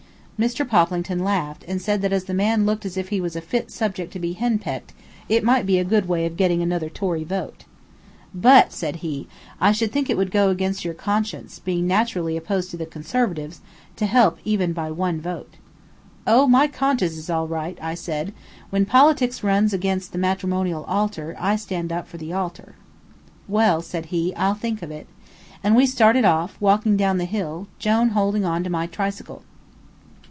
Mr. Poplington laughed, and said that as the man looked as if he was a fit subject to be henpecked it might be a good way of getting another Tory vote. "But," said he, "I should think it would go against your conscience, being naturally opposed to the Conservatives, to help even by one vote." "Oh, my conscience is all right," said I. "When politics runs against the matrimonial altar I stand up for the altar." "Well," said he, "I'll think of it." And we started off, walking down the hill, Jone holding on to my tricycle.